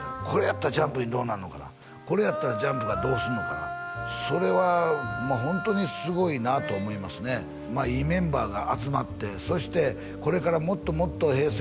これやったらＪＵＭＰにどうなんのかこれやったらＪＵＭＰがどうすんのかなそれはホントにすごいなと思いますねいいメンバーが集まってそしてこれからもっともっとＨｅｙ！